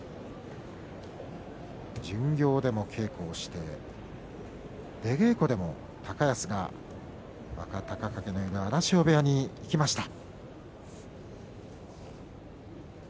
巡業でも稽古をして出稽古でも高安が若隆景がいる荒汐部屋に行きました。